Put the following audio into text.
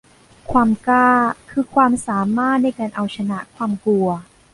ความกล้าคือความสามารถในการเอาชนะความกลัว